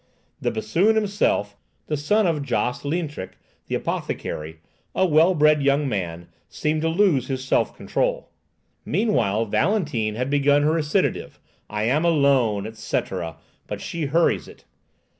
The bassoon himself, the son of Josse Lietrinck the apothecary, a well bred young man, seemed to lose his self control. Meanwhile Valentine has begun her recitative, "I am alone," etc.; but she hurries it.